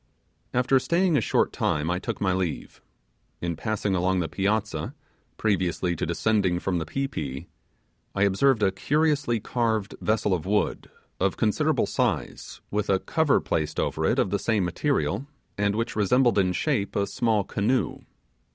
After staying a short time I took my leave. In passing along the piazza, previously to descending from the pi pi, I observed a curiously carved vessel of wood, of considerable size, with a cover placed over it, of the same material, and which resembled in shape a small canoe.